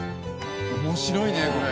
面白いねこれ。